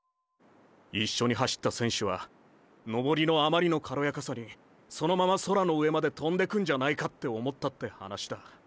一緒に走った選手は登りのあまりの軽やかさにそのまま空の上までとんでくんじゃないかって思ったって話だ。